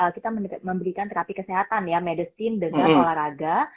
kita memberikan terapi kesehatan ya medisin dengan olahraga